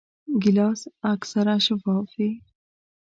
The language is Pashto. ګیلاس اکثره شفاف وي.